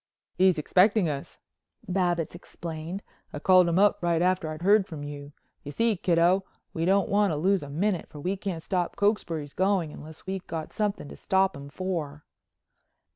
"He's expecting us," Babbitts explained. "I called him up right after I'd heard from you. You see, Kiddo, we don't want to lose a minute for we can't stop Cokesbury going unless we got something to stop him for."